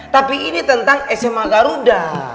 tapi ini tentang sma garuda